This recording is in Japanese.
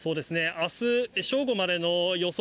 あす正午までの予想